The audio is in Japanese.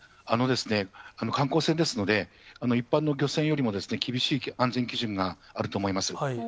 観光船ですので、一般の漁船よりも厳しい安全基準があると思います。